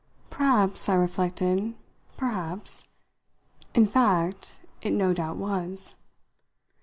"Perhaps," I reflected, "perhaps." In fact, it no doubt was.